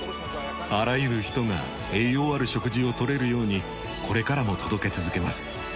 あらゆる人が栄養ある食事を取れるようにこれからも届け続けます。